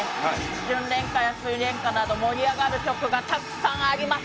「純恋歌」や「睡蓮花」など、盛り上がる曲がたくさんあります。